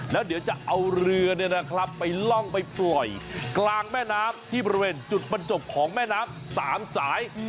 แล้วเดี๋ยวจะเอาเรือไปล่องไปปล่อยกลางแม่น้ำที่บริเวณจุดบรรจบของแม่น้ำ๓สาย